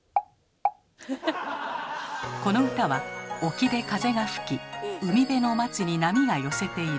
この歌は「沖で風が吹き海辺の松に波が寄せている。